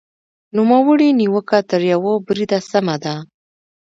نوموړې نیوکه تر یوه بریده سمه ده.